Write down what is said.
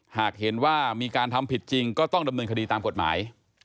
หากเห็นว่ามีการทำผิดจริงก็ต้องดำเนินคดีตามกฎหมาย